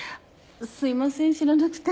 すいません知らなくて。